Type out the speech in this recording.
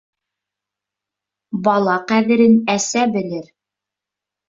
Бала ҡәҙерен әсә белер